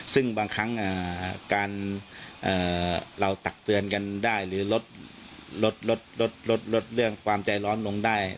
ซึ่งบางครั้งการเราตักเตือนกันได้หรือลดเรื่องความใจร้อนลงได้